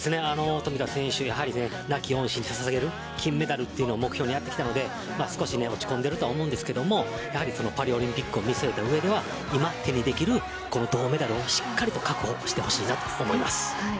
冨田選手は亡き恩師にささげる金メダルの目標を狙ってきたので落ち込んでいるとは思いますがパリオリンピックを見据えた上では手にできる銅メダルをしっかり確保してほしいと思います。